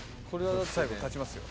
「最後立ちますよ」